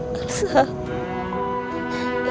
terima kasih tuhan